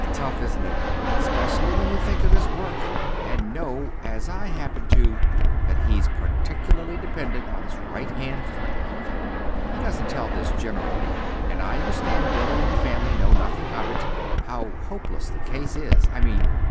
Tough, isn't it? 'Specially when you think of his work, and know as I happen to that he's particularly dependent on his right hand for everything. He doesn't tell this generally, and I understand Billy and the family know nothing of it how hopeless the case is, I mean.